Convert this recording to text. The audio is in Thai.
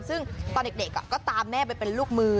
ซึ่งตอนเด็กก็ตามแม่ไปเป็นลูกมือ